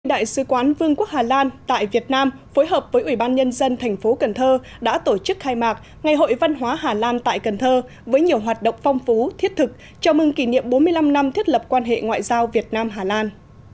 đại sứ quán vương quốc hà lan tại việt nam phối hợp với ủy ban nhân dân thành phố cần thơ đã tổ chức khai mạc ngày hội văn hóa hà lan tại cần thơ với nhiều hoạt động phong phú thiết thực chào mừng kỷ niệm bốn mươi năm năm thiết lập quan hệ ngoại giao việt nam hà lan